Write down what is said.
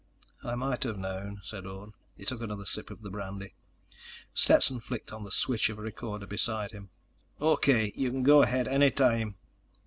"I might've known," said Orne. He took another sip of the brandy. Stetson flicked on the switch of a recorder beside him. "O.K. You can go ahead any time."